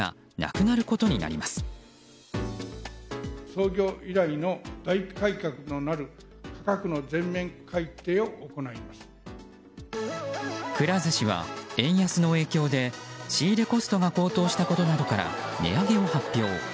くら寿司は、円安の影響で仕入れコストが高騰したことなどから値上げを発表。